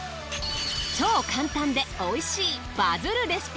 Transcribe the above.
超簡単でおいしいバズるレシピ。